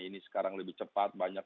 ini sekarang lebih cepat banyak